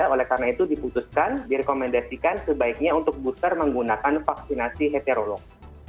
oleh karena itu diputuskan direkomendasikan sebaiknya untuk booster menggunakan vaksinasi heterolog